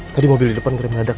tadi mobil di depan keren mendadak